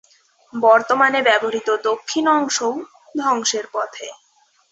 বর্তমানে ব্যবহৃত দক্ষিণ অংশও ধ্বংসের পথে।